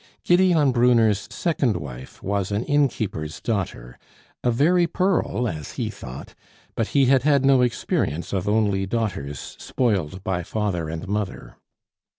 Gideon Brunner's second wife was an innkeeper's daughter, a very pearl, as he thought; but he had had no experience of only daughters spoiled by father and mother.